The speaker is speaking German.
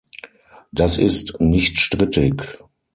Das ist nicht strittig.